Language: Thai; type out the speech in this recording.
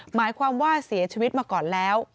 หมายความว่าเสียชีวิตมาก่อนแล้ว